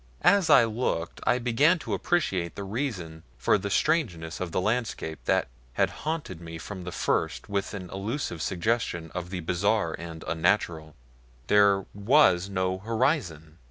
As I looked I began to appreciate the reason for the strangeness of the landscape that had haunted me from the first with an illusive suggestion of the bizarre and unnatural THERE WAS NO HORIZON!